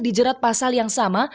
dijerat pasal yang sama